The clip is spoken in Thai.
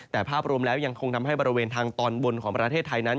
แต่ภาพรวมแล้วยังคงทำให้บริเวณทางตอนบนของประเทศไทยนั้น